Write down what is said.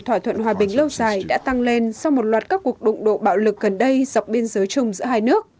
thỏa thuận hòa bình lâu dài đã tăng lên sau một loạt các cuộc đụng độ bạo lực gần đây dọc biên giới chung giữa hai nước